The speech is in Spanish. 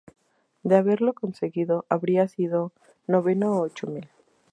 De haberlo conseguido, habría sido su noveno ochomil.